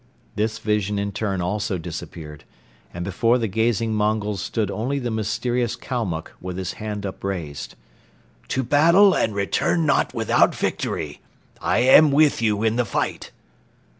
This vision in turn also disappeared and before the gazing Mongols stood only the mysterious Kalmuck with his hand upraised. "To battle and return not without victory! I am with you in the fight."